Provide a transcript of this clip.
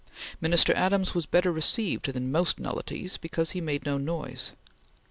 Minister Adams was better received than most nullities because he made no noise.